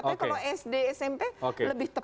tapi kalau sd smp lebih tepat